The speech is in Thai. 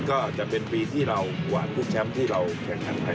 ก็จะเป็นปีที่เราหวานทุกแชมป์ที่เราแข่งขันไป